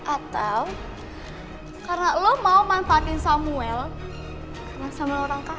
atau karena lo mau manfaatin samuel karena samuel orang kaya